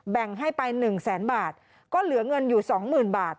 แบ่งให้ไป๑แสนบาทก็เหลือเงินอยู่สองหมื่นบาท